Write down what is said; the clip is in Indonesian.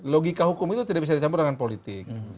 logika hukum itu tidak bisa dicampur dengan politik